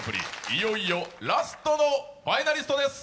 いよいよラストのファイナリストです。